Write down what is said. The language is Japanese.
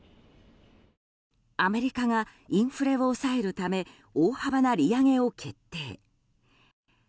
アメリカがインフレを抑えるため大幅な利上げを決定。